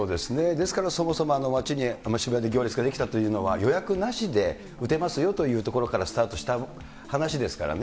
ですからそもそも街に渋谷に行列が出来たというのは、予約なしで打てますよというところからスタートした話ですからね。